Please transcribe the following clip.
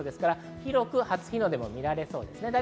広く初日の出も見られそうです。